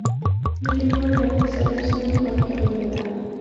له لیکوال رفیع صاحب سره مو اړیکه ونیوله.